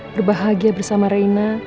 berbahagia bersama reina